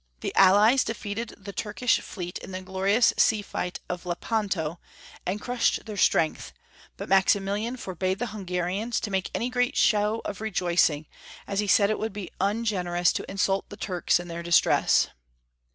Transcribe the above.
The allies defeated the Turkish fleet in the glorious sea fight of Lepanto, and crushed their strength, but Maxi milian forbade the Hungarians to make any great show of rejoicing, as he said it wpuld be ungenerous to insult the Turks in their distress.